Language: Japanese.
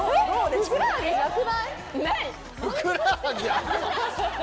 ・ない！